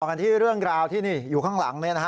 เอากันที่เรื่องราวที่นี่อยู่ข้างหลังนี่นะฮะ